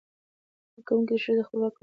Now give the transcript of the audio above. کارکوونکې ښځې خپلواکي او باور ترلاسه کوي.